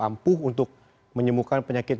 ampuh untuk menyembuhkan penyakit